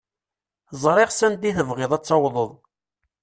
Ẓriɣ s anda i tebɣiḍ ad tawḍeḍ.